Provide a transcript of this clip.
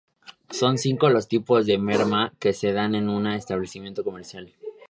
Son cinco los tipos de merma que se dan en un establecimiento comercial.